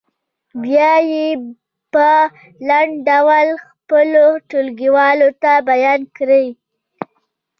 بیا یې په لنډ ډول خپلو ټولګیوالو ته بیان کړئ.